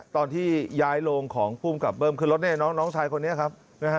ตอนที่ย้ายโลงของผู้กำกับเบิ้มคือรถนี้น้องชายคนนี้นะครับ